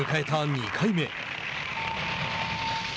２回目。